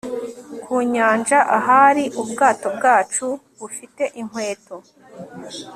Ku nyanja ahari ubwato bwacu bufite inkweto